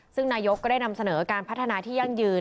ซึ่งนายกก็ได้นำเสนอการพัฒนาที่ยั่งยืน